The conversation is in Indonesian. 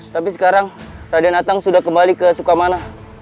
tapi sekarang raden atang sudah kembali ke sukamana